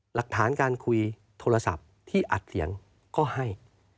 หลักฐานการคุยโทรศัพท์ที่อัดเสียงก็ให้